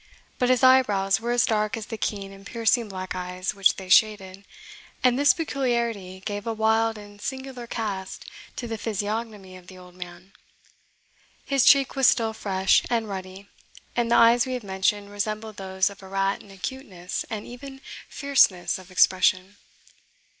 But his eyebrows were as dark as the keen and piercing black eyes which they shaded, and this peculiarity gave a wild and singular cast to the physiognomy of the old man. His cheek was still fresh and ruddy, and the eyes we have mentioned resembled those of a rat in acuteness and even fierceness of expression.